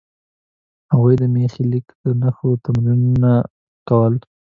هغوی د میخي لیک د نښو تمرینونه کول.